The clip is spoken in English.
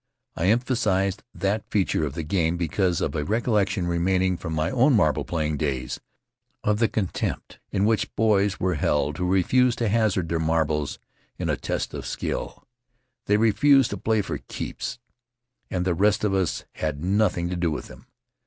I emphasized that feature of the game because of a recollection remaining from my own marble playing days, of the contempt in which boys were held who refused to hazard their marbles in a test of skill. They refused to play "for keeps," and the rest of us had nothing to do with them.